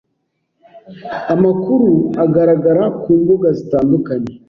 Amakuru agaragara ku mbuga zitandukanye